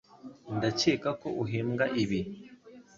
Ndakeka ko uhembwa ibi